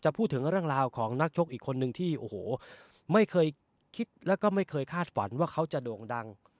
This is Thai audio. พูดถึงเรื่องราวของนักชกอีกคนนึงที่โอ้โหไม่เคยคิดแล้วก็ไม่เคยคาดฝันว่าเขาจะโด่งดัง